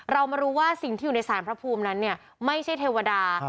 เรามารู้ว่าสิ่งที่อยู่ในสารพระภูมินั้นเนี่ยไม่ใช่เทวดา